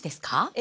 え？